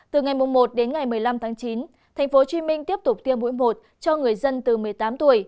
từ ngày một đến ngày một mươi năm tháng chín tp hcm tiếp tục tiêm mũi một cho người dân từ một mươi tám tuổi